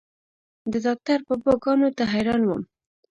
د ډاکتر بابا ګانو ته حيران وم.